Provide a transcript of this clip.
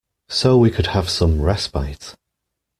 So we could have some respite.